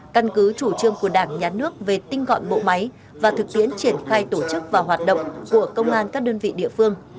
căn cứ chủ trương của đảng nhà nước về tinh gọn bộ máy và thực tiễn triển khai tổ chức và hoạt động của công an các đơn vị địa phương